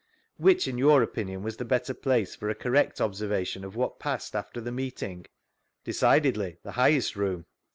Which, 4n your opinion, was the better place for a correct observation of what passed after the meeting? — Decidedly, the highest room.